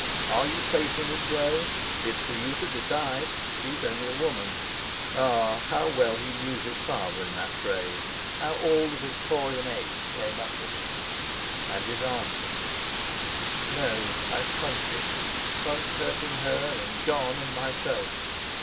"Are you facing it, Jo? It's for you to decide. She's only a woman!" Ah! how well he knew his father in that phrase; how all the Victorian Age came up with it! And his answer "No, I've funked it—funked hurting her and Jon and myself.